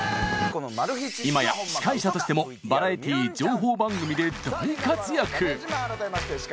今や司会者としてもバラエティー情報番組で大活躍。